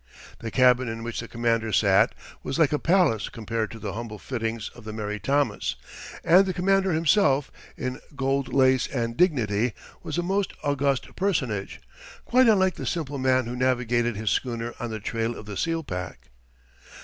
The cabin in which the commander sat was like a palace compared to the humble fittings of the Mary Thomas, and the commander himself, in gold lace and dignity, was a most august personage, quite unlike the simple man who navigated his schooner on the trail of the seal pack.